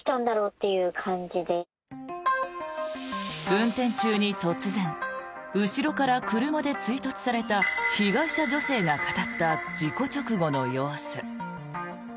運転中に突然、後ろから車で追突された被害者女性が語った事故直後の様子。